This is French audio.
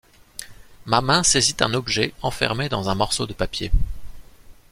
Ma main saisit un objet enfermé dans un morceau de papier.